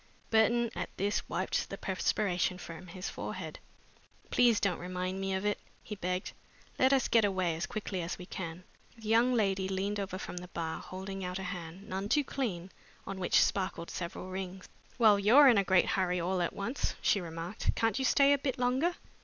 Burton, at this, wiped the perspiration from his forehead. "Please don't remind me of it," he begged. "Let us get away as quickly as we can." The young lady leaned over from the bar, holding out a hand, none too clean, on which sparkled several rings. "Well, you're in a great hurry all at once," she remarked. "Can't you stay a bit longer?"